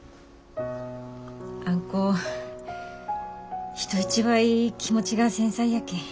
あん子人一倍気持ちが繊細やけん。